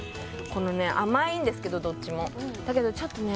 このね甘いんですけどどっちもだけどちょっとね